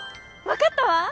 わかったわ！